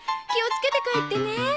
気をつけて帰ってね。